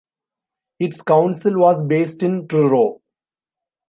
Its council was based in Truro.